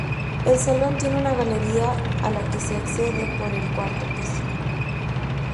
El Salón tiene una galería a la que se accede por el cuarto piso.